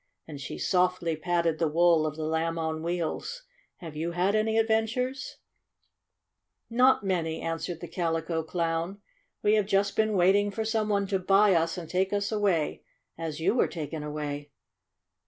and she softly patted the wool of the Lamb on Wheels. "Have you had any adventures ?" "Not many," answered the Calico "OH, DEAR ME!" 113 Clown. "We have just been waiting for some one to buy us and take us away, as you were taken away.